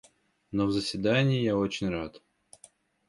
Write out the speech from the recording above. Но в заседание я очень рад.